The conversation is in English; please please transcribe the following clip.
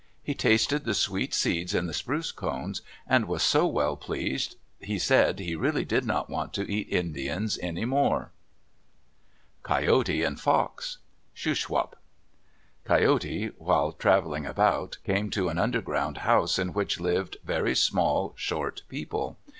He tasted the sweet seeds in the spruce cones and was so well pleased he said he really did not want to eat Indians any more. COYOTE AND FOX Shuswap Coyote, while traveling about, came to an underground house in which lived very small, short people.